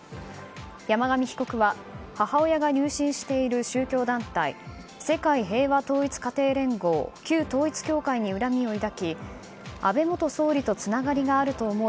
山上被告は母親が入信している宗教団体世界平和統一家庭連合旧統一教会に恨みを抱き安倍元総理とつながりがあると思い